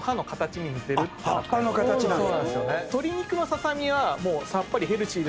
葉っぱの形なんだ。